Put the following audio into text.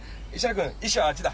君石はあっちだ。